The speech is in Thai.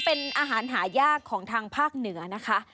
เป็นอาหารหายากของทางภาคเหนือนะคะ